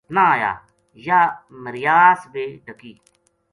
نہ آیا یاہ مرباس بے ڈکی